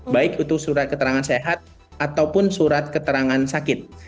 baik itu surat keterangan sehat ataupun surat keterangan sakit